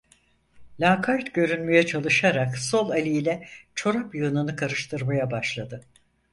Lakayt görünmeye çalışarak sol eliyle çorap yığınını karıştırmaya başladı.